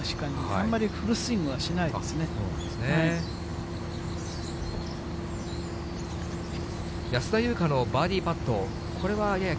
あんまりフルスイングはしないん安田祐香のバーディーパット。